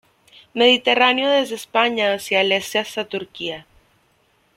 Mediterráneo desde España hacia el este hasta Turquía.